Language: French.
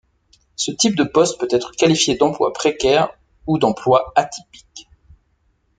Ce type de poste peut être qualifié d'emploi précaire ou d'emploi atypique.